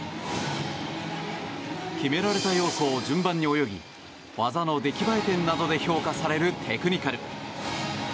決められた要素を順番に泳ぎ技の出来栄え点などで評価されるテクニカル。